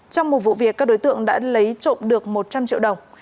trong một vụ việc các đối tượng đã lấy trộm được một trăm linh triệu đồng